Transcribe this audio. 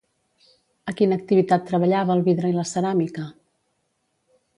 A quina activitat treballava el vidre i la ceràmica?